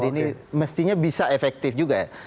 jadi ini mestinya bisa efektif juga ya